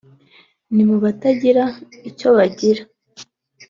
ni mu batagira icyo bagira